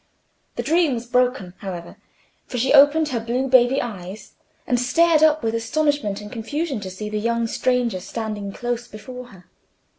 The dream was broken, however, for she opened her blue baby eyes, and started up with astonishment and confusion to see the young stranger standing close before her.